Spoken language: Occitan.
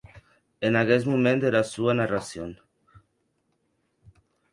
En aguest moment dera sua narracion.